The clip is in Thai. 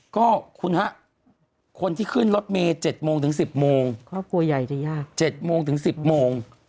ก็คุณฮะคนที่ขึ้นรถเมษ๗โมงถึง๑๐โมง๗โมงถึง๑๐โมง